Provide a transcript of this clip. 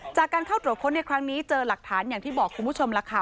จากการเข้าตรวจค้นในครั้งนี้เจอหลักฐานอย่างที่บอกคุณผู้ชมล่ะค่ะ